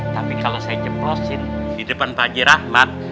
tapi kalau saya ceprosin di depan pak haji rahmat